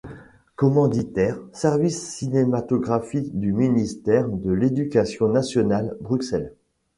Commanditaire: Service cinématographique du ministère de l'éducation nationale, Bruxelles.